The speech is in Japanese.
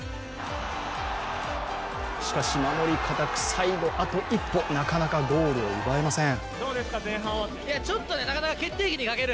しかし、守りが堅く最後あと一歩、なかなかゴールを奪えません。